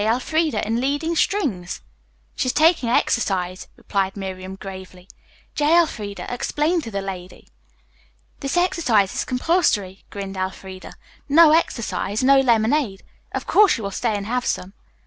Elfreda in leading strings?" "She is taking exercise," replied Miriam gravely. "J. Elfreda, explain to the lady." "This exercise is compulsory," grinned Elfreda. "No exercise, no lemonade. Of course, you will stay and have some."